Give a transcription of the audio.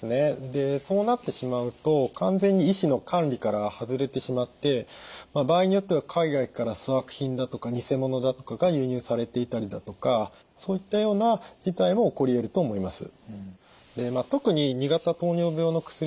でそうなってしまうと完全に医師の管理から外れてしまって場合によっては海外から粗悪品だとか偽物だとかが輸入されていたりだとかそういったような事態も起こりえると思います。